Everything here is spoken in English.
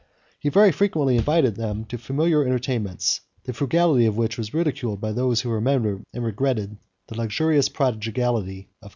He very frequently invited them to familiar entertainments, the frugality of which was ridiculed by those who remembered and regretted the luxurious prodigality of Commodus.